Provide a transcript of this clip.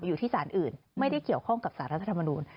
อยู่ที่สารอื่นไม่ได้เกี่ยวข้องกับสารรัฐธรรมนูล